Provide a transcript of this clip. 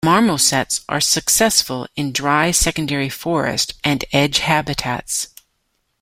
Marmosets are successful in dry secondary forests and edge habitats.